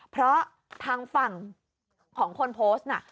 เพราะทางฝั่งของคนโพสต์น่ะ